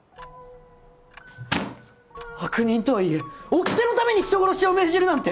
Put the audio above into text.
悪人とはいえおきてのために人殺しを命じるなんて！